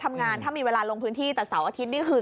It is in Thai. ทำงานถ้ามีเวลาลงพื้นที่แต่เสาร์อาทิตย์นี่คือ